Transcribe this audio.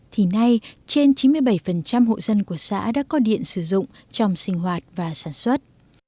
thì nay trên chín mươi bảy hộ dân của xã đã có điện sử dụng trong sinh hoạt và sản xuất